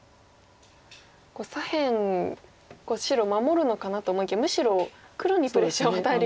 左辺白守るのかなと思いきやむしろ黒にプレッシャーを与えるような。